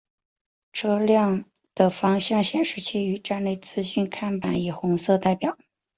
车辆的方向显示器与站内资讯看板以红色代表。